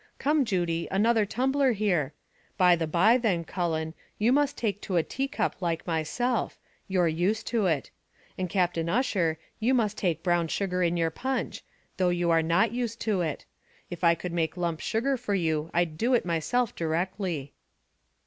Come, Judy, another tumbler here. By the by, then, Cullen, you must take to a tea cup like myself you're used to it; and Captain Ussher, you must take brown sugar in your punch, though you are not used to it. If I could make lump sugar for you, I'd do it myself directly."